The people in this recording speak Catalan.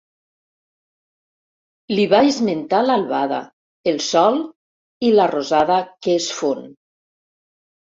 Li va esmentar l'albada, el sol i la rosada que es fon.